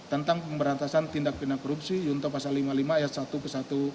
tentang pemberantasan tindak pindah korupsi yunto pasal lima puluh lima ayat satu ke satu